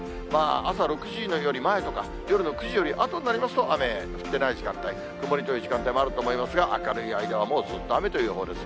朝６時より前とか、夜の９時よりあとになりますと、雨、降ってない時間帯、曇りという時間帯あると思いますが、明るい間はもうずっと雨という予報です。